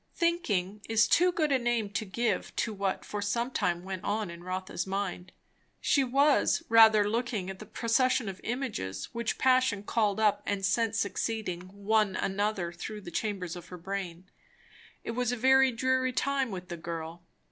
. Thinking, is too good a name to give to what for some time went on in Rotha's mind. She was rather looking at the procession of images which passion called up and sent succeeding one another through the chambers of her brain. It was a very dreary time with the girl.